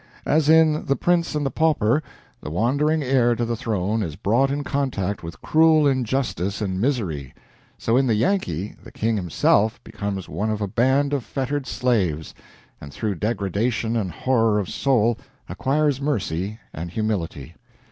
As in "The Prince and the Pauper," the wandering heir to the throne is brought in contact with cruel injustice and misery, so in the "Yankee" the king himself becomes one of a band of fettered slaves, and through degradation and horror of soul acquires mercy and humility.